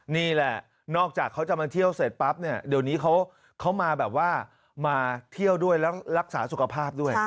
นี่แหละนอกจากเขาจะมาเที่ยวเสร็จปั๊บเนี่ยเดี๋ยวนี้เขามาแบบว่ามาเที่ยวด้วยแล้วรักษาสุขภาพด้วย